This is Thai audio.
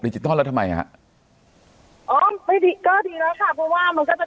จิตอลแล้วทำไมฮะอ๋อไม่ดีก็ดีแล้วค่ะเพราะว่ามันก็จะ